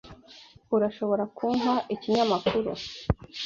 Urashobora kumpa ikinyamakuru?